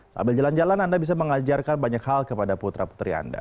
sambil jalan jalan anda bisa mengajarkan banyak hal kepada putra putri anda